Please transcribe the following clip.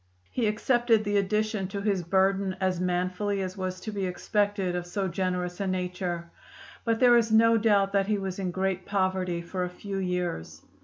He accepted the addition to his burden as manfully as was to be expected of so generous a nature, but there is no doubt that he was in great poverty for a few years.